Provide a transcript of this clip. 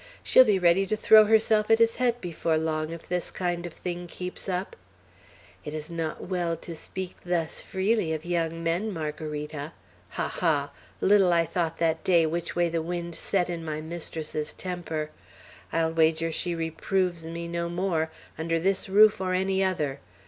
She'll be ready to throw herself at his head before long, if this kind of thing keeps up. 'It is not well to speak thus freely of young men, Margarita!' Ha, ha! Little I thought that day which way the wind set in my mistress's temper! I'll wager she reproves me no more, under this roof or any other!